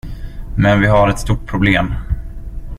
Men vi har ett stort problem.